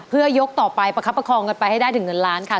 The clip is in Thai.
เพื่อยกต่อไปประคับประคองกันไปให้ได้ถึงเงินล้านค่ะ